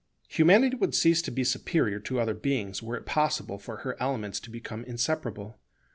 Humanity would cease to be superior to other beings were it possible for her elements to become inseparable.